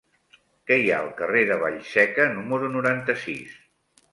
Què hi ha al carrer de Vallseca número noranta-sis?